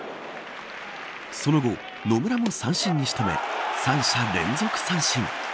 その後、野村も三振に仕留め三者連続三振。